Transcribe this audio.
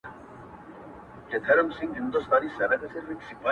o دا وايي دا توره بلا وړي څوك؛